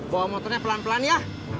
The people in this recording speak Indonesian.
bawa motornya pelan pelan ya